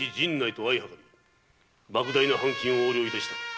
莫大な藩金を横領致した。